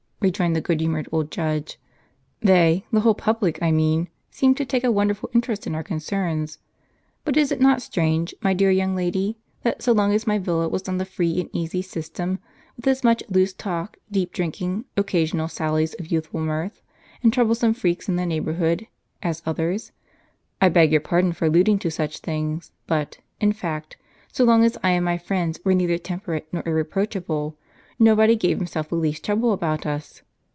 rejoined the good humored old judge. " They — the whole public I mean — seem to take a wonderful interest in our concerns. But is it not strange, my dear young lady, that so long as my villa was on the free and easy system, with as much loose talk, deep drinking, occa sional sallies of youthful mirth, and troublesome freaks in the neighborhood, as others, — I beg your pardon for alluding to such things ; but, in fact, so long as I and my friends were neither temperate nor irreproachable, nobody gave himself the least trouble about us